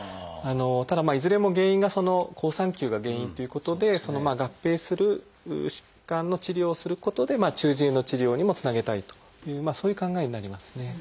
ただいずれも原因がその好酸球が原因ということで合併する疾患の治療をすることで中耳炎の治療にもつなげたいというそういう考えになりますね。